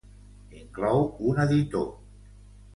Inclou un editor.